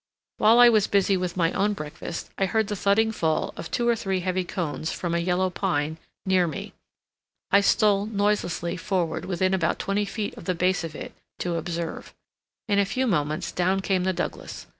While I was busy with my own breakfast I heard the thudding fall of two or three heavy cones from a Yellow Pine near me. I stole noiselessly forward within about twenty feet of the base of it to observe. In a few moments down came the Douglas.